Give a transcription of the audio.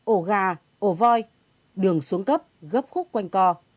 ổ gà ổ voi đường xuống cấp gấp khúc quanh co